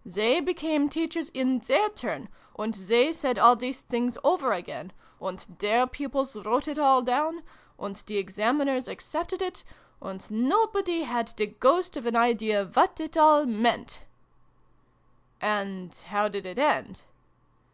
" They became teachers in their turn, and they said all these things over again ; and their pupils wrote it all down ; and the Examiners accepted it ; and nobody had the ghost of an idea what it all meant !" xii] FAIRY MUSIC. 183 "And how did it end?"